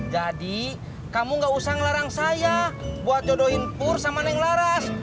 jadi kamu gak usah ngelarang saya buat jodohin pur sama neng laras